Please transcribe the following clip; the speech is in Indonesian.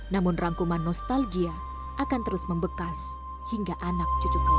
namun rangkuman nostalgia akan terus membekas hingga anak cucu kembali